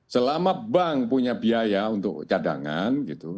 selama bank punya biaya untuk cadangan gitu